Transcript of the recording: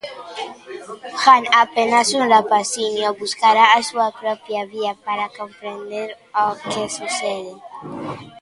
Jan, apenas un rapaciño, buscará a súa propia vía para comprender o que sucede.